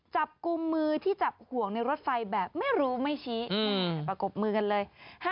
จับกลุ่มมือที่จับห่วงในรถไฟแบบไม่รู้ไม่ชี้ประกบมือกันเลย